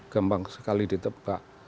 gampang sekali ditebak